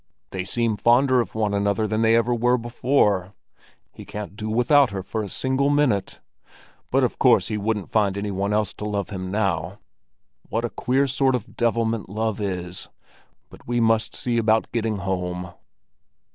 "They seem fonder of one another than they ever were before; he can't do without her for a single minute. But of course he wouldn't find any one else to love him now. What a queer sort of devilment love is! But we must see about getting home."